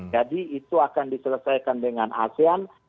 jadi itu akan diselesaikan dengan asean